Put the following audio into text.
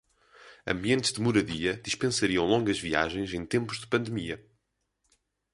Ambientes de moradia dispensariam longas viagens em tempos de pandemia